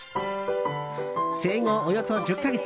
生後およそ１０か月。